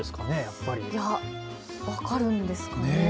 分かるんですかね。